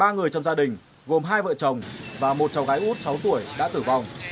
ba người trong gia đình gồm hai vợ chồng và một cháu gái út sáu tuổi đã tử vong